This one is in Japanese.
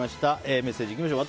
メッセージいきましょう。